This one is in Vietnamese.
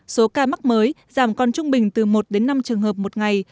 số ca mắc mới giảm còn trung bình từ một đến năm trường hợp một ngày